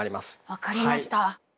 分かりました。